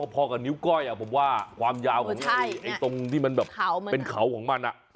พอกับนิ้วก้อยผมว่าตรงที่เป็นเขาของมัน